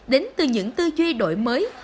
đến từ những tư duy đổi mới